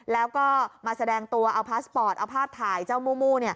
แล้วก็มาแสดงตัวเอาพาสปอร์ตเอาภาพถ่ายเจ้ามู่